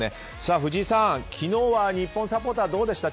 藤井さん、昨日は日本サポーターどうでした？